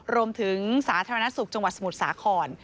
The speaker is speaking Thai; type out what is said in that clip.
รวมถึงสาธารณสุขจังหวัดสมุทรสาขร